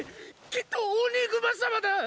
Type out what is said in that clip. きっとオニグマ様だ！